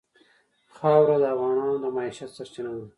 خاوره د افغانانو د معیشت سرچینه ده.